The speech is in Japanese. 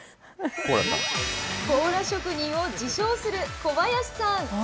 コーラ職人を自称する小林さん。